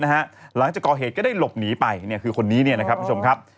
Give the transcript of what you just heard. หลังจากก่อเหตุก็ได้หลบหนีไปคนนี้นะครับ